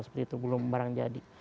seperti itu belum barang jadi